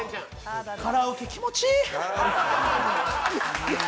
カラオケ、気持ちいい！